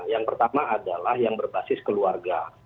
yang pertama adalah yang berbasis keluarga